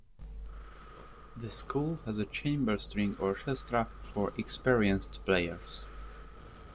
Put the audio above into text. The school has a chamber string orchestra for experienced players.